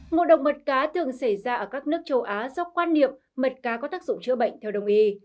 ngộ độc mật cá thường xảy ra ở các nước châu á do quan niệm mật cá có tác dụng chữa bệnh theo đồng y